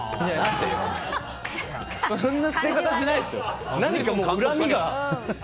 そんな捨て方しないですよ。